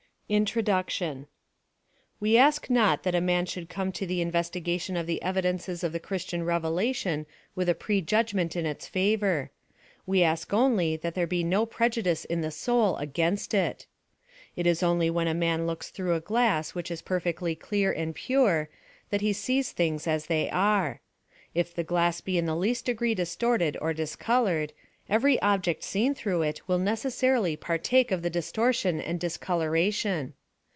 INTRODUCTION. We ask not that a man should come to an investiga tion of the evidences of the Christian revelation with a pre judgment in its favor; we ask only that there be no prejudice in the soul against it. It is only when a man looks through a glass which is perfectly clear and pure, that he sees things as they are ; if the glass be m the least degree distorted or discolored, every object seen through it will necessarily partake of the distortion and discoloration.